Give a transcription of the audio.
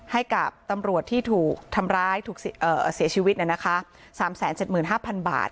ให้กับตำรวจที่ถูกทำร้ายถูกเอ่อเสียชีวิตน่ะนะคะสามแสนเจ็ดหมื่นห้าพันบาท